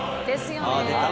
「ですよね」